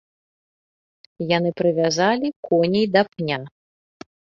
Яны прывязалі коней да пня.